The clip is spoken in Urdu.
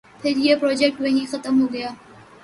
پھر یہ پراجیکٹ وہیں ختم ہو گیا۔